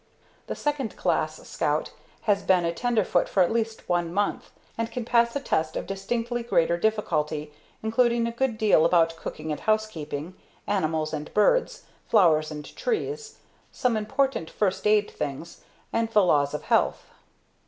The "Second Class" Scout has been a Tenderfoot for at least one month, and can pass a test of distinctly greater difficulty, including a good deal about cooking and housekeeping, animals and birds, flowers and trees, some important first aid things, and the laws of health.